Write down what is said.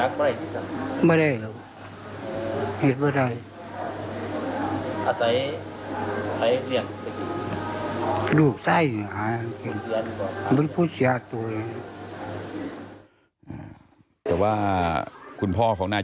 อาจให้ให้เรียนลูกใส่อ่ะมันพูดเสียตัวอ่ะแต่ว่าคุณพ่อของนาย